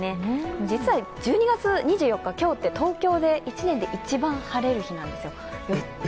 実は１２月２４日、今日って東京で１年のうち一番晴れる日なんですよ。